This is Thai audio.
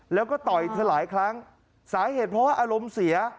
แล้วก็ต่อยเธอหลายครั้งสาเหตุเพราะว่าอารมณ์เสีย